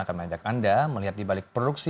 akan menanjak anda melihat dibalik produksi